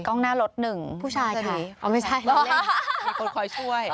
กล้องหน้ารถหนึ่งผู้ชายค่ะมีคนคอยช่วย